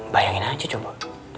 bayangin aja coba